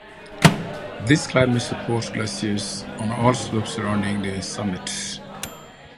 This climate supports glaciers on all slopes surrounding the summit.